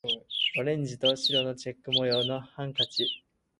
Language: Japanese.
オレンジと白のチェック模様のハンカチ